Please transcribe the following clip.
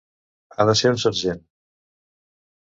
Ha de ser un sergent.